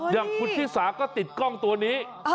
อย่างคุณชิสาก็ติดกล้องตัวนี้